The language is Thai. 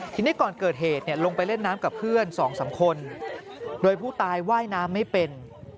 ทีนี้ก่อนเกิดเหตุลงไปเล่นน้ำกับเพื่อน๒๓คนโดยผู้ตายว่ายน้ำไม่เป็น